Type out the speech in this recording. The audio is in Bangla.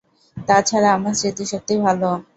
তা ছাড়া আমার স্মৃতিশক্তি ভালো।